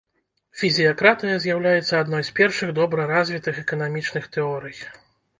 Фізіякратыя з'яўляецца адной з першых добра развітых эканамічных тэорый.